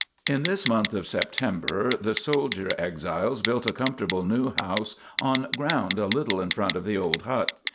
In this month of September the soldier exiles built a comfortable new house on ground a little in front of the old hut.